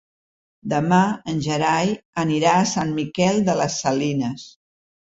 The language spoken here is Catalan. Demà en Gerai anirà a Sant Miquel de les Salines.